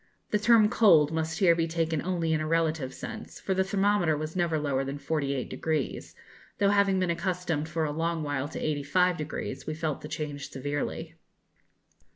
The term 'cold' must here be taken only in a relative sense, for the thermometer was never lower than 48°, though, having been accustomed for a long while to 85°, we felt the change severely.